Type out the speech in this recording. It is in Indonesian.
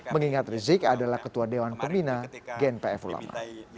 mengingat rizik adalah ketua dewan pembina gnpf ulama